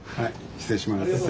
失礼します。